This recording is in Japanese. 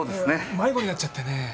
迷子になっちゃってねえ。